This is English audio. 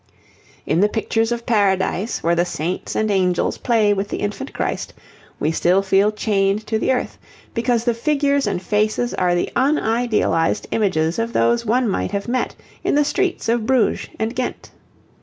In the pictures of Paradise, where the saints and angels play with the Infant Christ, we still feel chained to the earth, because the figures and faces are the unidealized images of those one might have met in the streets of Bruges and Ghent.